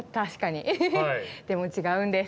でも違うんです。